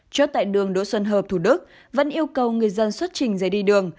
chốt tại đường đỗ xuân hợp thủ đức vẫn yêu cầu người dân xuất trình giấy đi đường